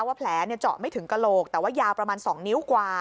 ว่าแผลเจาะไม่ถึงกระโหลกแต่ว่ายาวประมาณ๒นิ้วกว่า